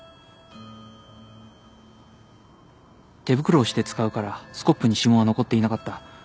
手袋をして使うからスコップに指紋は残っていなかった。